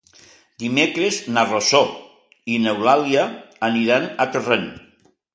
Dimecres na Rosó i n'Eulàlia aniran a Torrent.